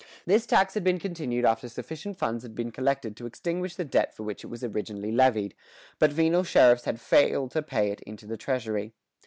This tax had been continued after sufficient funds had been collected to extinguish the debt for which it was originally levied, but venal sheriffs had failed to pay it into the treasury.